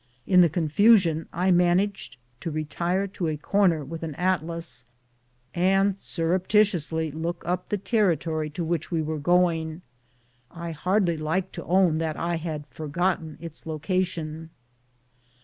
In the confusion I managed to re tire to a corner with an atlas, and surreptitiously look up the territory to which we were going. I hardly liked to own that I had forgotten its location.